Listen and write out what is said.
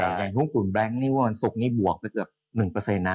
อย่างหุ้นกลุ่มแบงค์นี่ว่าวันศุกร์นี้บวกไปเกือบ๑นะ